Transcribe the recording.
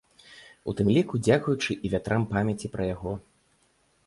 У тым ліку дзякуючы і вятрам памяці пра яго.